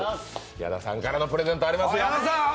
矢田さんからもプレゼントありますよ。